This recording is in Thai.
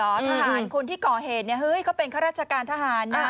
ทหารคนที่ก่อเหตุเนี่ยเฮ้ยเขาเป็นข้าราชการทหารนะ